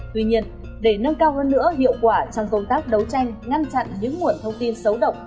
tuy nhiên để nâng cao hơn nữa hiệu quả trong công tác đấu tranh ngăn chặn những nguồn thông tin xấu độc